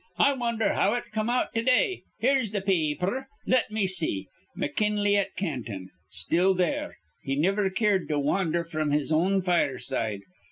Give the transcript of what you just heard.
"I wonder how it come out to day. Here's th' pa aper. Let me see. McKinley at Canton. Still there. He niver cared to wandher fr'm his own fireside.